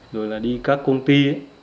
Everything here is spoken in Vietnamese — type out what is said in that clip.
rồi là đi các công ty